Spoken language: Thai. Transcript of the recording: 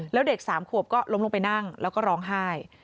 แล้วเด็ก๓ขวบก็ล้มลงไปนั่งแล้วก็ร้องไห้